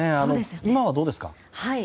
今はどうですか？